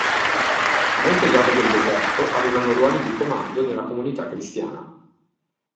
Molte donne del deserto avevano ruoli di comando nella comunità cristiana.